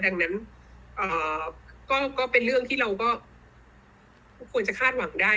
ดังนั้นก็เป็นเรื่องที่เราก็ควรจะคาดหวังได้